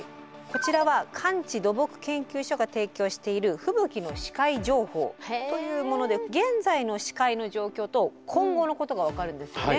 こちらは寒地土木研究所が提供している吹雪の視界情報というもので現在の視界の状況と今後のことが分かるんですよね。